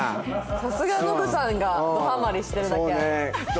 さすがノブさんがどハマリしてるだけある。